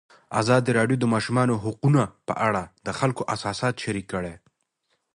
ازادي راډیو د د ماشومانو حقونه په اړه د خلکو احساسات شریک کړي.